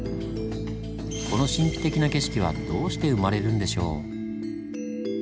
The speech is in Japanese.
この神秘的な景色はどうして生まれるんでしょう？